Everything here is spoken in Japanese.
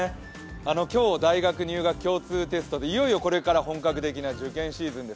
今日、大学入学共通テストでいよいよこれから本格的な受験シーズンです。